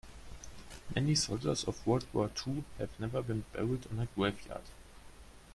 Many soldiers of world war two have never been buried on a grave yard.